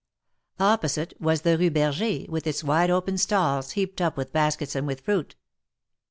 Opposite was the Rue Berger, with its wide open stalls heaped up with baskets and with fruit.